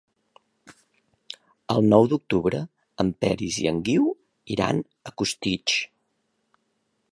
El nou d'octubre en Peris i en Guiu iran a Costitx.